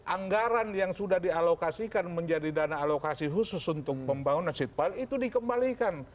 anggaran yang sudah dialokasikan menjadi dana alokasi khusus untuk pembangunan seat pil itu dikembalikan